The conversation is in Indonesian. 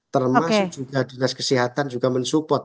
termasuk juga dinas kesehatan juga mensupport